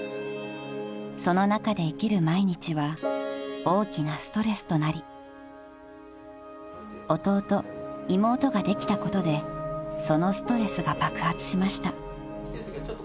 ［その中で生きる毎日は大きなストレスとなり弟妹ができたことでそのストレスが爆発しました］